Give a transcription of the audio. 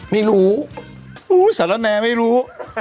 ไม่รู้ซะแหล่นแมร์ไม่รู้